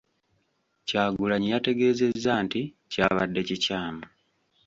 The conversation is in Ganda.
Kyagulanyi yategeezezza nti kyabadde kikyamu .